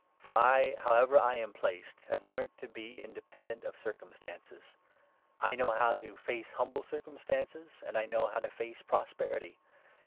For I, however I am placed, have learnt to be independent of circumstances. I know how to 12 face humble circumstances, and I know how to face prosperity.